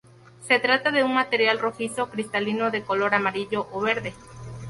Se trata de un material rojizo cristalino de color amarillo o verde.